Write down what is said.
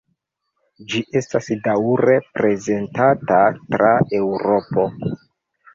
Ĝi estas daŭre prezentata tra Eŭropo.